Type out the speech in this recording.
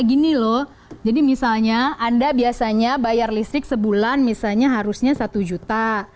gini loh jadi misalnya anda biasanya bayar listrik sebulan misalnya harusnya satu juta